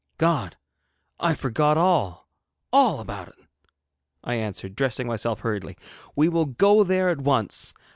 'God! I forgot all, all about it,' I answered, dressing myself hurriedly. 'We will go there at once.